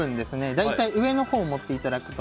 大体上のほうを持っていただくと